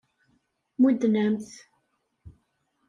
Mudden-am-t.